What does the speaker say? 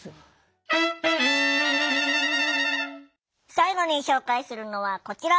最後に紹介するのはこちら！